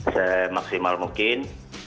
se maksimal mungkin